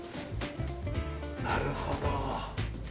なるほど。